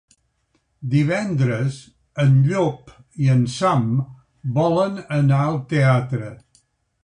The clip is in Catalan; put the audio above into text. Divendres en Llop i en Sam volen anar al teatre.